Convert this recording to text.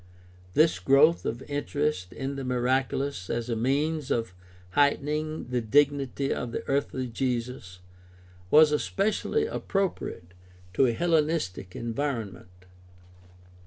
This growth of interest in the miraculous as a means of heightening the dignity of the earthly Jesus was especially appropriate to a Hellenistic environment.